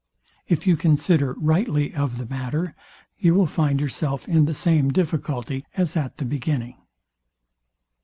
If you consider rightly of the matter, you will find yourself in the same difficulty as at the beginning.